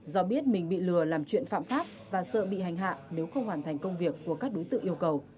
do biết mình bị lừa làm chuyện phạm pháp và sợ bị hành hạ nếu không hoàn thành công việc của các đối tượng yêu cầu